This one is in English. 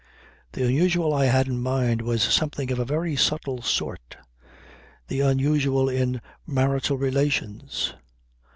The unusual I had in my mind was something of a very subtle sort: the unusual in marital relations.